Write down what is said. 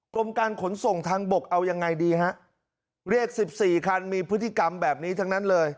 กรมการขนส่งทางบกเอายังไงดีฮะเรียกสิบสี่คันมีพฤติกรรมแบบนี้ทั้งนั้นเลย